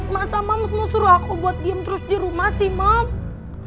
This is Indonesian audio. masa maps mau suruh aku buat diem terus di rumah sih maps